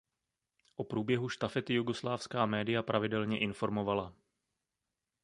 O průběhu štafety jugoslávská média pravidelně informovala.